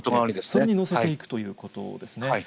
それに載せていくということですね。